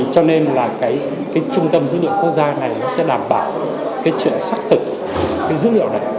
cho nên trung tâm dữ liệu quốc gia này sẽ đảm bảo chuyện xác thực dữ liệu này